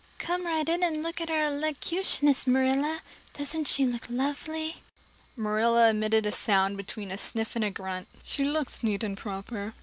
"Come right in and look at our elocutionist, Marilla. Doesn't she look lovely?" Marilla emitted a sound between a sniff and a grunt. "She looks neat and proper.